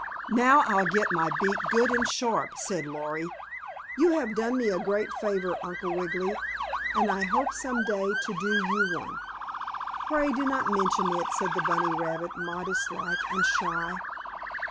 "Now I'll get my beak good and sharp," said Lory. "You have done me a great favor, Uncle Wiggily, and I hope some day to do you one." "Pray, do not mention it," said the bunny rabbit, modest like and shy.